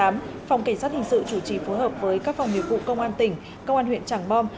phòng cảnh sát hình sự chủ trì phối hợp với các phòng nghiệp vụ công an tỉnh công an huyện tràng bom